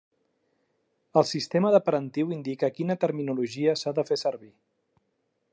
El sistema de parentiu indica quina terminologia s'ha de fer servir.